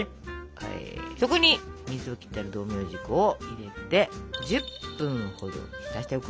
そこに水を切ってある道明寺粉を入れて１０分ほど浸しておく。